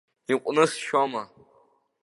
Иҟәнысшьома.